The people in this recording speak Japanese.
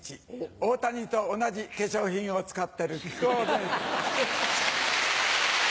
大谷と同じ化粧品を使ってる木久扇です。